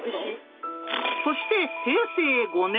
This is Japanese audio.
そして平成５年。